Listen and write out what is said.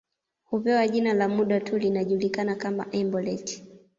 Hupewa jina la muda tu linajulikana kama embolet